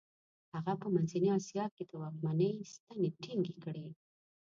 هغه په منځنۍ اسیا کې د واکمنۍ ستنې ټینګې کړې.